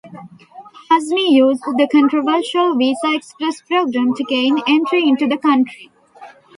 Hazmi used the controversial Visa Express program to gain entry into the country.